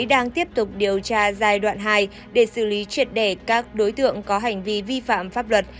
đang tiếp tục điều tra giai đoạn hai để xử lý triệt đề các đối tượng có hành vi vi phạm pháp luật